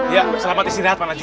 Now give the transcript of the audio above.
ya selamat istirahat pak naji